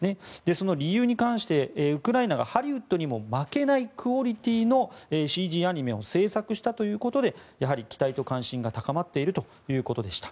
その理由に関してウクライナがハリウッドにも負けないクオリティーのＣＧアニメを制作したということで期待と関心が高まっているということでした。